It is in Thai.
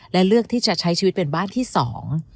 และเลือกที่จะใช้ชีวิตเป็นบ้านที่สอง